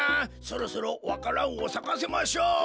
そろそろわか蘭をさかせましょう。